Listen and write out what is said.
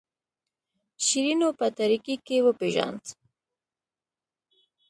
شیرینو په تاریکۍ کې وپیژاند.